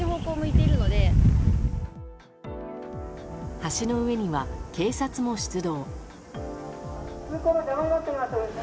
橋の上には警察も出動。